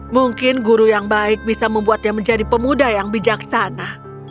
mungkin guru yang baik bisa membuatnya menjadi pemuda yang bijaksana